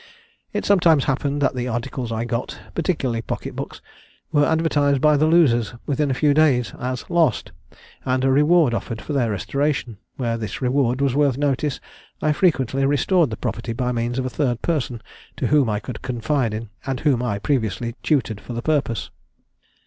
It sometimes happened that the articles I got (particularly pocket books) were advertised by the losers, within a few days, as "Lost," and a reward offered for their restoration: where this reward was worth notice, I frequently restored the property by means of a third person whom I could confide in, and whom I previously tutored for the purpose.